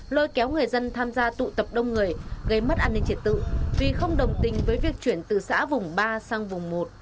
lôi kéo người dân tham gia tụ tập đông người gây mất an ninh trật tự vì không đồng tình với việc chuyển từ xã vùng ba sang vùng một